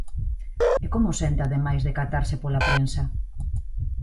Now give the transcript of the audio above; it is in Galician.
E como senta, ademais, decatarse pola prensa?